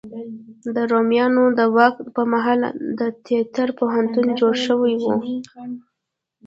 د روميانو د واک په مهال هم د تیاتر پوهنتون جوړ شوی و.